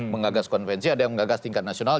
mengagas konvensi ada yang mengagas tingkat nasional